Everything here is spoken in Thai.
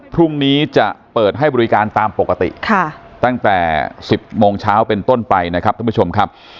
พรุ่งนี้จะเปิดให้บริการตามปกติตั้งแต่๑๐โมงเช้าเป็นต้นไปนะครับท่านผู้ชมครับ